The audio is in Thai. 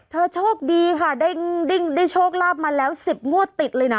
โชคดีค่ะได้โชคลาภมาแล้ว๑๐งวดติดเลยนะ